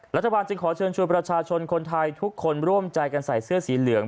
รัฐบาลจึงขอเชิญชวนประชาชนคนไทยทุกคนร่วมใจกันใส่เสื้อสีเหลือง